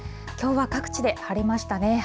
きょうは各地で晴れましたね。